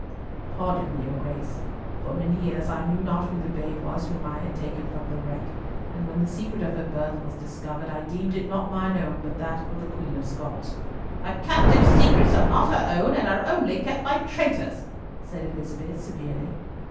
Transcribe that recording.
"Pardon me, your Grace. For many years I knew not who the babe was whom I had taken from the wreck, and when the secret of her birth was discovered, I deemed it not mine own but that of the Queen of Scots." "A captive's secrets are not her own, and are only kept by traitors," said Elizabeth, severely.